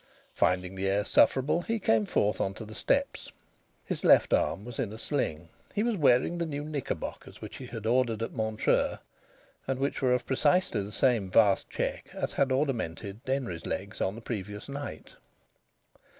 Finding the air sufferable, he came forth on to the steps. His left arm was in a sling. He was wearing the new knickerbockers which he had ordered at Montreux, and which were of precisely the same vast check as had ornamented Denry's legs on the previous night.